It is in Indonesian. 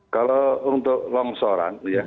kalau untuk longsoran ya